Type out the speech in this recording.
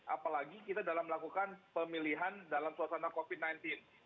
apalagi kita dalam melakukan pemilihan dalam suasana covid sembilan belas